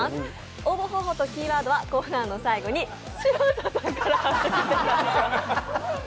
応募方法とキーワードはコーナーの最後に嶋佐さんからお願いします。